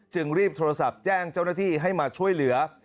รีบโทรศัพท์แจ้งเจ้าหน้าที่ให้มาช่วยเหลือ